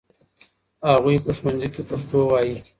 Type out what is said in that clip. هغوی په ښوونځي کې پښتو وايي.